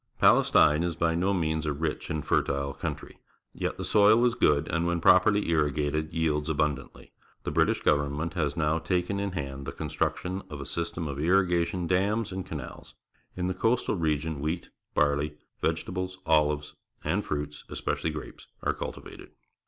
— Palestine is by no means a rich and fertile country. Yet the soil is good, and when properly irrigated, yields abun dantly. The British government has now taken in hand the construction of a system of The Mosque of Omar, Jerusalem irrigation dams and canals. In the coastal region wheat, barley, vegetables, olives, and fruits, especially grapes, are cultivated.